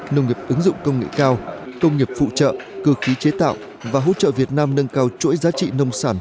nông nghiệp ứng dụng công nghệ cao công nghiệp phụ trợ cơ khí chế tạo và hỗ trợ việt nam nâng cao chuỗi giá trị nông sản